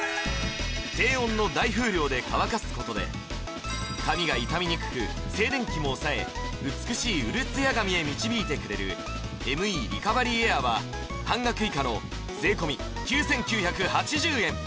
低温の大風量で乾かすことで髪が傷みにくく静電気も抑え美しいうるツヤ髪へ導いてくれるＭＥリカバリーエアーは半額以下の税込９９８０円